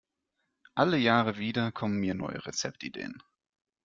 Alle Jahre wieder kommen mir neue Rezeptideen.